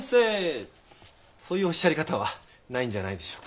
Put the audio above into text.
そういうおっしゃり方はないんじゃないでしょうか。